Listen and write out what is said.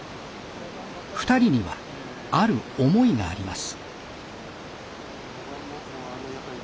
２人にはある思いがあります。